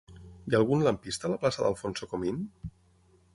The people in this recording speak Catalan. Hi ha algun lampista a la plaça d'Alfonso Comín?